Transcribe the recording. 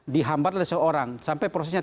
dihambat oleh seorang sampai prosesnya